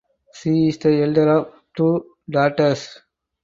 She is the elder of two daughters.